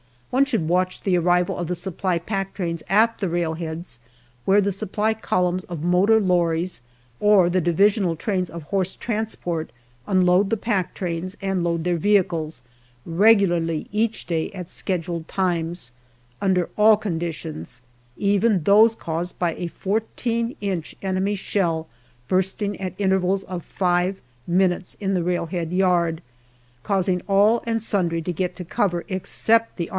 One should watch the arrival of the supply pack trains at the rail heads where the supply columns of motor lorries or the divisional trains of horse transport unload the pack trains and load their vehicles, regularly each day at sched uled times, under all conditions, even those caused by a 14 inch enemy shell bursting at intervals of five minutes in the railhead yard, causing all and sundry to get to cover, except the A.S.